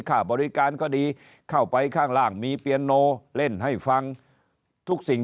ค่าบริการก็ดีเข้าไปข้างล่างมีเปียนโนเล่นให้ฟังทุกสิ่ง